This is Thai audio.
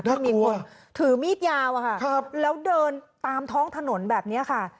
ถ้ามีคนถือมีดยาวอะค่ะแล้วเดินตามท้องถนนแบบนี้ค่ะ